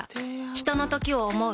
ひとのときを、想う。